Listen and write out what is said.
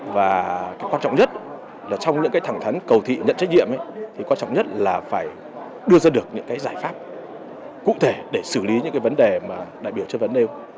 và quan trọng nhất là trong những thẳng thắn cầu thị nhận trách nhiệm thì quan trọng nhất là phải đưa ra được những giải pháp cụ thể để xử lý những vấn đề mà đại biểu chất vấn đều